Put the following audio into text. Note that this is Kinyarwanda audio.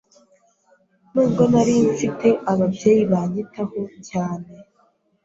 nubwo nari mfite ababyeyi banyitaho cyane